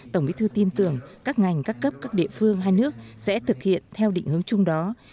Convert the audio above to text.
tổng bí thư tin tưởng các ngành các cấp các địa phương hai nước sẽ thực hiện theo định hướng chung đó